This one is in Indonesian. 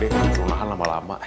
terus lonaan lama lama